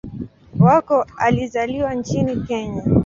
Wako alizaliwa nchini Kenya.